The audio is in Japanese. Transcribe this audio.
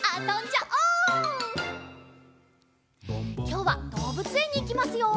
きょうはどうぶつえんにいきますよ！